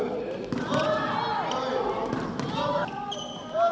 สุดท้ายสุดท้ายสุดท้าย